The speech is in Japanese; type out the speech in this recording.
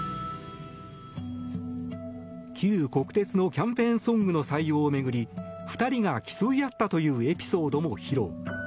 旧国鉄のキャンペーンソングの採用を巡り２人が競い合ったというエピソードも披露。